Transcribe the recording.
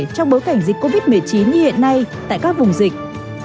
trong bối cảnh dịch covid một mươi chín như hiện nay tại các vùng dịch